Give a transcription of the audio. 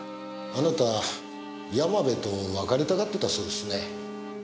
あなた山辺と別れたがってたそうですね？